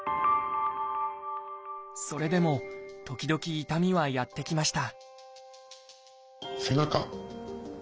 それでも時々痛みはやって来ました